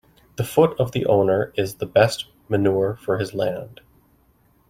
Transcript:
The foot of the owner is the best manure for his land.